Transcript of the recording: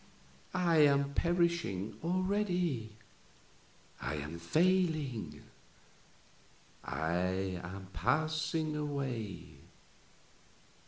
"I am perishing already I am failing I am passing away.